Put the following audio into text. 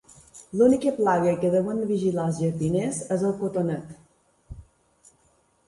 L'única plaga que deuen vigilar els jardiners és el cotonet.